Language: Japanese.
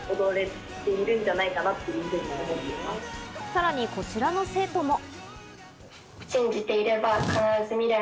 さらに、こちらの生徒も。